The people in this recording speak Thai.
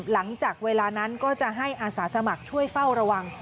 หลังจากเวลานั้นก็จะให้อาสาสมัครช่วยเฝ้าระวัง